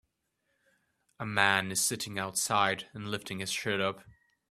A man is sitting outside and lifting his shirt up.